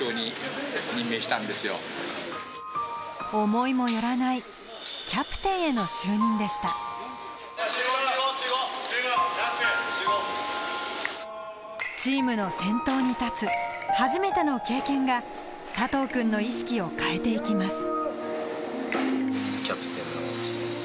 思いも寄らないキャプテンへの就任でしたチームの先頭に立つ初めての経験が佐藤くんの意識を変えて行きます